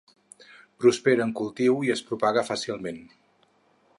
Prospera en cultiu i es propaga fàcilment.